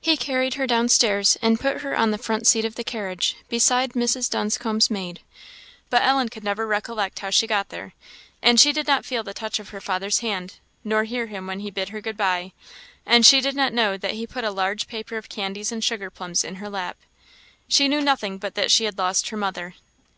He carried her down stairs, and put her on the front seat of the carriage, beside Mrs. Dunscombe's maid but Ellen could never recollect how she got there, and she did not feel the touch of her father's hand, nor hear him when he bid her good bye; and she did not know that he put a large paper of candies and sugar plums in her lap. She knew nothing but that she had lost her mother.